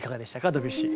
ドビュッシー。